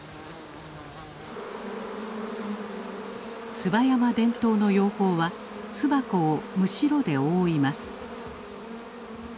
椿山伝統の養蜂は巣箱をむしろで覆います。